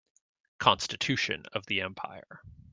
Constitution of the empire.